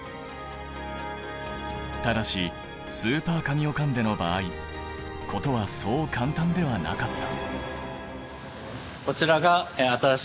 ただしスーパーカミオカンデの場合事はそう簡単ではなかった。